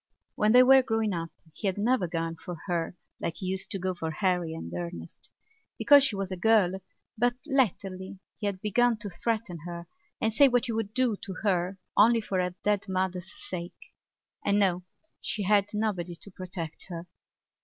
When they were growing up he had never gone for her like he used to go for Harry and Ernest, because she was a girl; but latterly he had begun to threaten her and say what he would do to her only for her dead mother's sake. And now she had nobody to protect her.